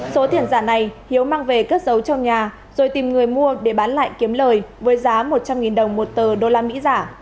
số tiền giả này hiếu mang về cất giấu trong nhà rồi tìm người mua để bán lại kiếm lời với giá một trăm linh đồng một tờ đô la mỹ giả